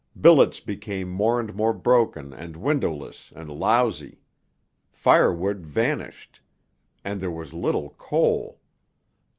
Billets became more and more broken and windowless and lousy; firewood vanished, and there was little coal.